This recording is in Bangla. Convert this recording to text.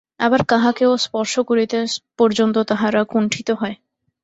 আবার কাহাকেও স্পর্শ করিতে পর্যন্ত তাহারা কুণ্ঠিত হয়।